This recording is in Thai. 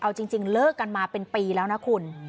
เอาจริงเลิกกันมาเป็นปีแล้วนะคุณ